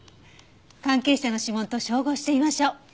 関係者の指紋と照合してみましょう。